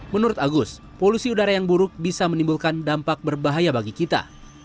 menurut agus polusi udara yang buruk bisa menimbulkan dampak berbahaya bagi kita